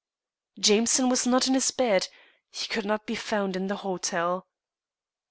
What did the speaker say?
Jameson was not on his bed. He could not be found in the hotel.